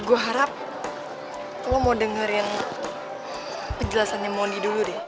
gue harap lo mau dengerin penjelasan yang mondi dulu deh